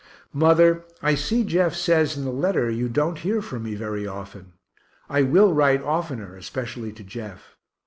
Mother, I see Jeff says in the letter you don't hear from me very often I will write oftener, especially to Jeff.